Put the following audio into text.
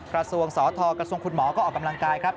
กระทรวงสธกระทรวงคุณหมอก็ออกกำลังกายครับ